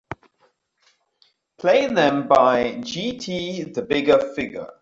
Play them by Jt The Bigga Figga.